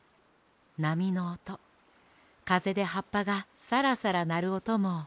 なみのおとかぜではっぱがサラサラなるおともすきね。